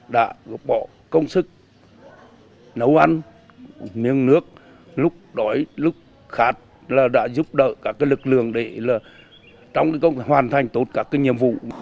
đã góp bỏ công sức nấu ăn miếng nước lúc đói lúc khác là đã giúp đỡ các lực lượng để trong hoàn thành tốt các nhiệm vụ